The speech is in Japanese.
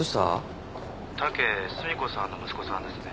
☎武寿美子さんの息子さんですね？